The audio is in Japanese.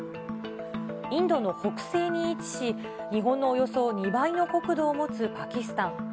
インドの北西に位置し、日本のおよそ２倍の国土を持つパキスタン。